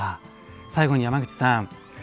最後に山口さん